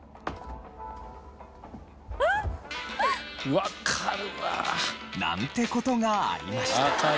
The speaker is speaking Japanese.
わかるわ！なんて事がありました。